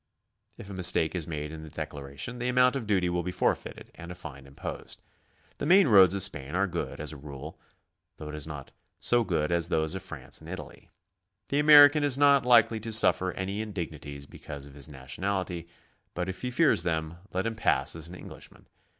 If a mistake is made in the declaration, the amount of duty will be forfeited and ii6 GOING ABROAD? a fine imposed. The main roads of Spain are good as a rule, though not so good as those of France and Italy. The American is not likelly to suffer any indignities because of his nationality, but if he fear's them, let him pass as an Eng lishman.